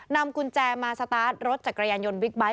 นำกุญแจมาสตาร์ทรถจักรยานยนบิ๊กไบท์